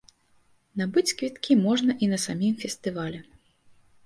Набыць квіткі можна і на самім фестывалі.